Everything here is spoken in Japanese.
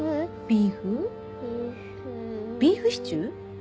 ビーフシチュー？